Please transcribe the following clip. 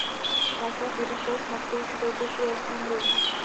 Václav vyrůstal s matkou učitelkou v Uherském Brodě.